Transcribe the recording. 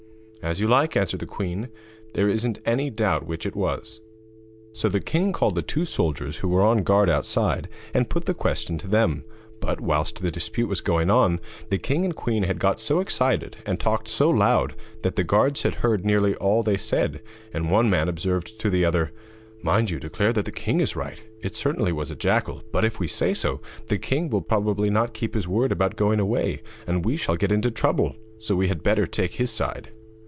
'As you like,' answered the queen, 'there isn't any doubt which it was.' So the king called the two soldiers who were on guard outside and put the question to them. But, whilst the dispute was going on, the king and queen had got so excited and talked so loud that the guards had heard nearly all they said, and one man observed to the other: 'Mind you declare that the king is right. It certainly was a jackal, but, if we say so, the king will probably not keep his word about going away, and we shall get into trouble, so we had better take his side.'